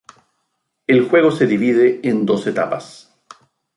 El juego se divide en dos etapas.